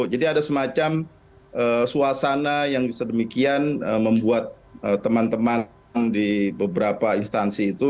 jadi ada semacam suasana yang sedemikian membuat teman teman di beberapa instansi itu